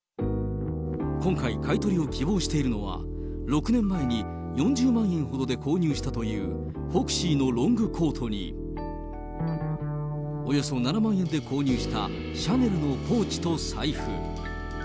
今回、買い取りを希望しているのが、６年前に４０万円ほどで購入したというフォクシーのロングコートに、およそ７万円で購入したシャネルのポーチと財布。